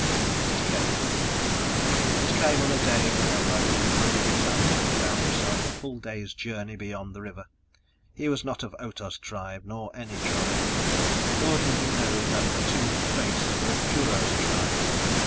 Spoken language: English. _ It came. It came on a day when a lone and hungry clansman found himself a full day's journey beyond the river; he was not of Otah's Tribe nor any tribe, nor did he know that the two he faced were of Kurho's Tribe.